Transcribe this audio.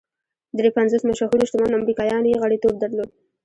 درې پنځوس مشهورو شتمنو امریکایانو یې غړیتوب درلود